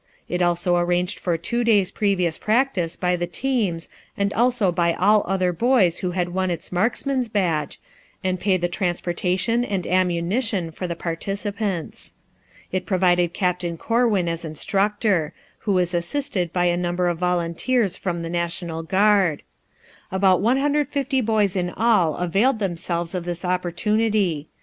It also arranged for two days' previous practice by the teams and also by all other boys who had won its marksman's badge, and paid the transportation and ammunition for the participants. It provided Captain Corwin as instructor, who was assisted by a number of volunteers from the National Guard. About 150 boys in all availed themselves of this opportunity.